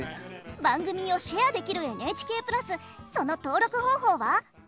番組をシェアできるＮＨＫプラスその登録方法は？